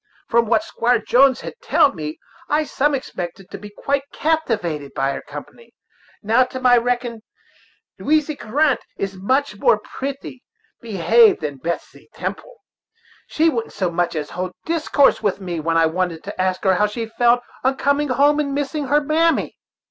From what Squire Jones had telled me, I some expected to be quite captivated by her company. Now, to my reckoning, Lowizy Grant is much more pritty behaved than Betsey Temple. She wouldn't so much as hold discourse with me when I wanted to ask her how she felt on coming home and missing her mammy."